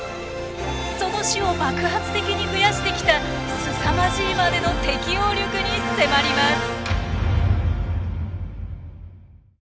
その種を爆発的に増やしてきたすさまじいまでの適応力に迫ります。